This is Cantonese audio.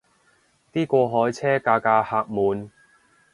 啲過海車架架客滿